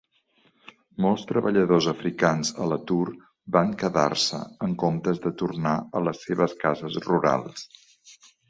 Molts treballadors africans a l'atur van quedar-se, en comptes de tornar a les seves cases rurals.